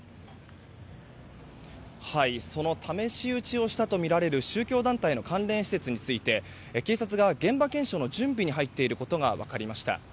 その試し撃ちをしたとみられる宗教団体の関連施設について警察が現場検証の準備に入っていることが分かりました。